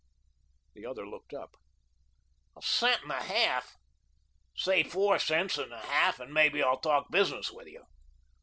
The other looked up. "A cent and a half! Say FOUR cents and a half and maybe I'll talk business with you."